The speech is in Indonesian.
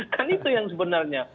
kan itu yang sebenarnya